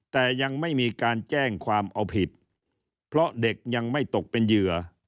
แต่ยังไม่มีการแจ้งความเอาผิดเพราะเด็กยังไม่ตกเป็นเหยื่อ